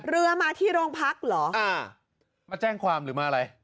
เรือมาที่โรงพักเหรออ่ามาแจ้งความหรือมาอะไร